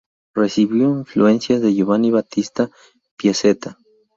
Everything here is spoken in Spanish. Recibió influencias de Giovanni Battista Piazzetta.